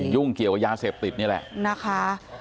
ยุ่งเกี่ยวกับยาเสพติดนี่แหละนะคะ